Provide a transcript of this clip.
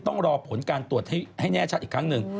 ต้องรอผลการตรวจให้แน่ชัดอีกครั้งหนึ่ง